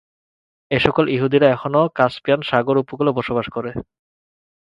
এসকল ইহুদিরা এখনও কাস্পিয়ান সাগর উপকূলে বসবাস করে।